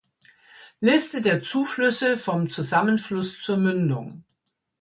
Liste der Zuflüsse vom Zusammenfluss zur Mündung.